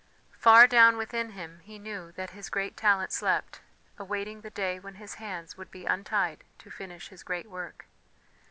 Far down within him he knew that his great talent slept, awaiting the day when his hands would be untied to finish his great work.